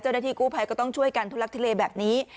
เจ้าหน้าที่กู้ภัยก็ต้องช่วยกันทุลักทุเลแบบนี้